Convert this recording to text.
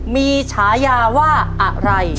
มีฉายาว่าอะไร